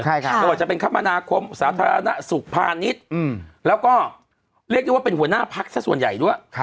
ไม่ว่าจะเป็นคมนาคมสาธารณสุขพาณิชย์แล้วก็เรียกได้ว่าเป็นหัวหน้าพักสักส่วนใหญ่ด้วย